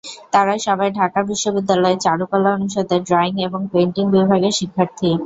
তাঁরা সবাই ঢাকা বিশ্ববিদ্যালয়ের চারুকলা অনুষদের ড্রয়িং এবং পেইন্টিং বিভাগের শিক্ষার্থী।